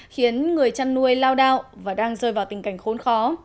khiến người chăn nuôi lao đao và đang rơi vào tình cảnh khốn khó